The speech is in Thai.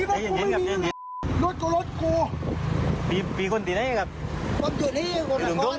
ปล่อยปล่อยเล่งครับปล่อยปล่อยเล่งครับเฮ้ยจ๊ะดีกว่าไม่ยิงหัวลุงเนี้ย